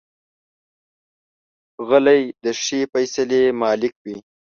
غلی، د ښې فیصلې مالک وي.